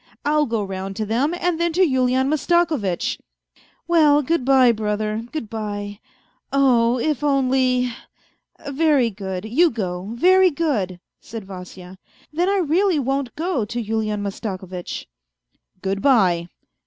I'll go round to them, and then to Yulian Mastakovitch." "Well, good bye, brother; good bye ... Oh 1 if only. ... Very good, you go, very good," said Vasya, " then I really won't go to Yulian Mastakovitch." " Good bye."